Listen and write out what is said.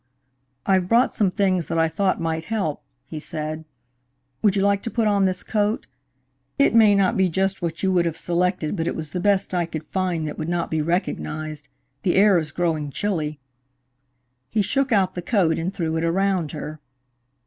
"I've brought some things that I thought might help," he said. "Would you like to put on this coat? It may not be just what you would have selected, but it was the best I could find that would not be recognized. The air is growing chilly." He shook out the coat and threw it around her.